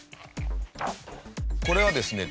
これはですね